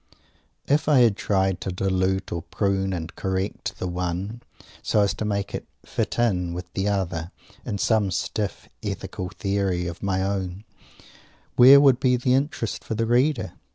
If I had tried to dilute and prune and "correct" the one, so as to make it "fit in" with the other, in some stiff, ethical theory of my own, where would be the interest for the reader?